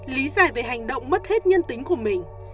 lý giải về hành động mất hết nhân tính của mình